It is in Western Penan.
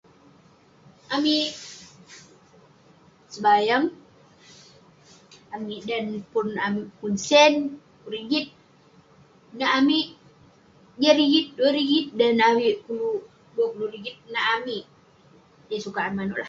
amik sebayang, amik dan pun amik pun sen, pun rigit, nak amik jah rigit duah rigit dan neh amik koluk duah puluk rigit nak amik, yeng sukat amik manouk lah